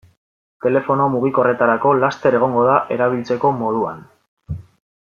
Telefono mugikorretarako laster egongo da erabiltzeko moduan.